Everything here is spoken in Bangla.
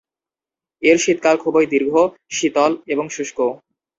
এর শীতকাল খুবই দীর্ঘ, শীতল এবং শুষ্ক।